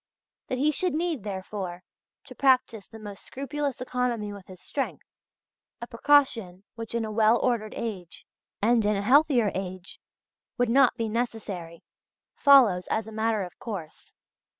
That he should need, therefore, to practise the most scrupulous economy with his strength a precaution which in a well ordered age, and in a healthier age, would not be necessary follows as a matter of course.